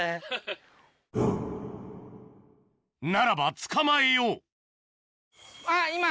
ならば捕まえようあっ今。